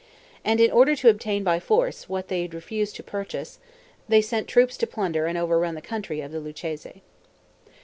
And in order to obtain by force what they had refused to purchase, they sent troops to plunder and overrun the country of the Lucchese.